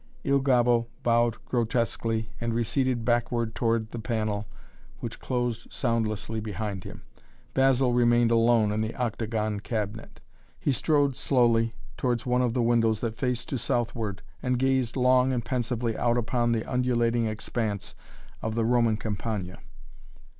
Il Gobbo bowed grotesquely and receded backward towards the panel which closed soundlessly behind him. Basil remained alone in the octagon cabinet. He strode slowly towards one of the windows that faced to southward and gazed long and pensively out upon the undulating expanse of the Roman Campagna.